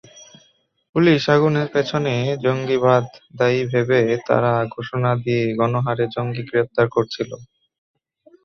পুলিশআগুনের পেছনে জঙ্গিবাদ দায়ী ভেবে তারা ঘোষণা দিয়ে গণহারে জঙ্গি গ্রেপ্তার করছিল।